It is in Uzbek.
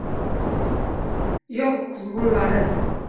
Yov kuzg’unlari.